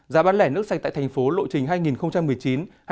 giá bán lẻ nước sạch tại tp hcm lộ trình hai nghìn một mươi chín hai nghìn hai mươi hai